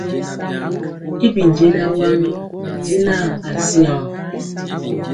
Y bi jɛɛnaŋ waŋ jɛŋɔ asiaŋ.